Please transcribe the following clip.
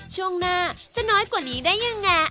ช่วงหน้าจะน้อยกว่านี้ได้ยังไง